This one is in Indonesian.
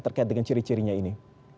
terkait dengan ciri cirinya ini